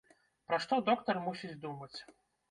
Пра што доктар мусіць думаць?